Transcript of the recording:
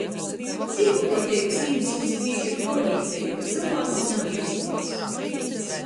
Vīglpruoteibys īmeslis bīži ir puorlīceiba, ka cylvāks ir namiersteigs.